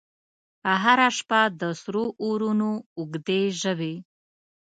هره شپه د سرو اورونو، اوږدي ژبې،